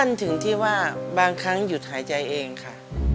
ถึงที่ว่าบางครั้งหยุดหายใจเองค่ะ